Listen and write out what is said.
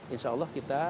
insya allah kita